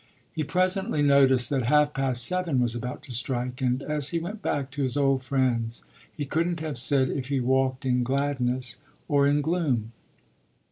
He presently noticed that half past seven was about to strike, and as he went back to his old friend's he couldn't have said if he walked in gladness or in gloom.